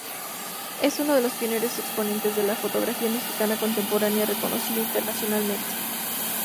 Es uno de los pioneros y exponentes de la fotografía mexicana contemporánea reconocido internacionalmente.